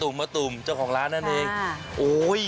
คือขออนุญาตถอดหน่อย